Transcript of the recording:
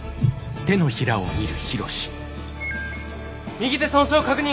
右手損傷確認。